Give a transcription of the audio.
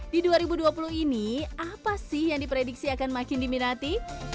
di dua ribu dua puluh ini apa sih yang diprediksi akan makin diminati